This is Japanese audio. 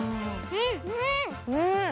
うん！